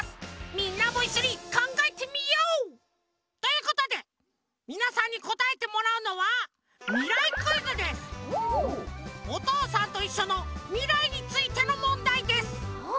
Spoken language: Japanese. みんなもいっしょにかんがえてみよう！ということでみなさんにこたえてもらうのは「おとうさんといっしょ」のみらいについてのもんだいです。